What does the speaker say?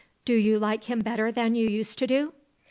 "Do you like him better than you used to do?"